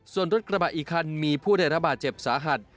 ส่วนรถกระบะอีกคันมีผู้ได้รับบาดเจ็บสาหัส